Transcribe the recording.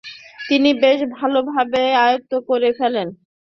তিনি বেশ ভালো ভাবেই আয়ত্ত করে ফেলেন।